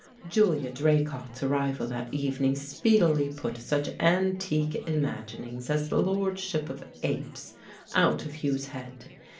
Julia Draycott's arrival that evening speedily put such antique imaginings as the lordship of apes out of Hugh's head.